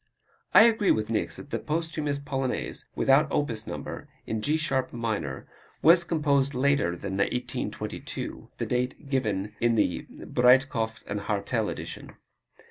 I agree with Niecks that the posthumous Polonaise, without opus number, in G sharp minor, was composed later than 1822 the date given in the Breitkopf & Hartel edition.